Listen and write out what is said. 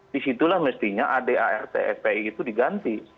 disitulah mestinya adart fpi itu diganti